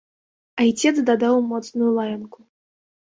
Айцец дадаў моцную лаянку.